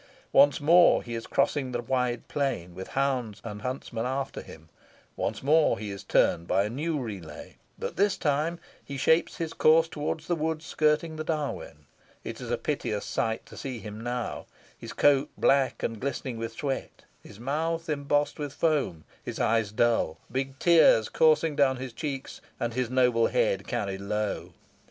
Once more he is crossing the wide plain, with hounds and huntsmen after him once more he is turned by a new relay; but this time he shapes his course towards the woods skirting the Darwen. It is a piteous sight to see him now; his coat black and glistening with sweat, his mouth embossed with foam, his eyes dull, big tears coursing down his cheeks, and his noble head carried low.